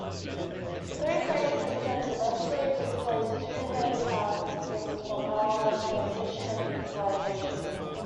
Three-phase systems eventually displaced two-phase power systems for power transmission and utilization.